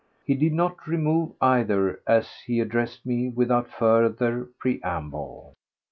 He did not remove either as he addressed me without further preamble.